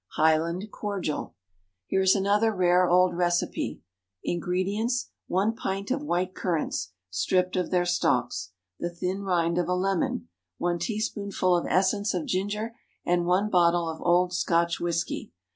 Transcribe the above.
Highland Cordial. Here is another rare old recipe. Ingredients, one pint of white currants, stripped of their stalks, the thin rind of a lemon, one teaspoonful of essence of ginger, and one bottle of old Scotch whisky.